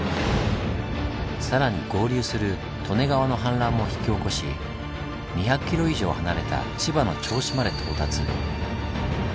更に合流する利根川の氾濫も引き起こし２００ｋｍ以上離れた千葉の銚子まで到達。